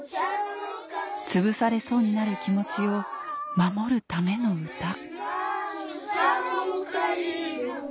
つぶされそうになる気持ちを守るための歌